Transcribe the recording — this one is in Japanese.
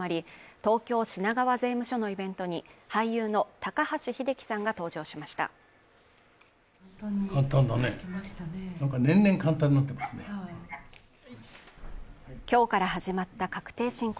東京品川税務署のイベントに俳優の高橋英樹さんが登場しました今日から始まった確定申告